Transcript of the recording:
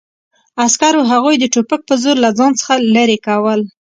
عسکرو هغوی د ټوپک په زور له ځان څخه لرې کول